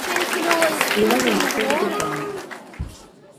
ibibazo mu bukungu bw'u rwanda